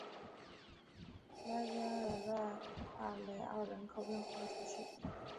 拉加尔代帕雷奥人口变化图示